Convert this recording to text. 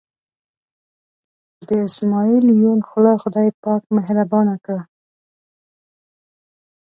چې د اسمعیل یون خوله خدای پاک مهربانه کړه.